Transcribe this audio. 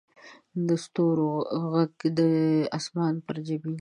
د ستورو ږغ دې د اسمان پر جبین